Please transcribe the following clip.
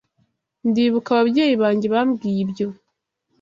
Ndibuka ababyeyi banjye bambwiye ibyo.